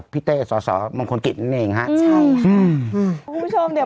พี่ขับรถไปเจอแบบ